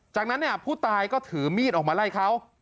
จากนั้นเนี่ยผู้ตายก็ถือมีดออกมาไล่เขา